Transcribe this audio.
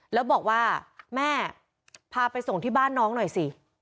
แล้วบอกว่าแม่พาไปส่งที่บ้านน้องหน่อยสิ